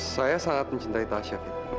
saya sangat mencintai tasha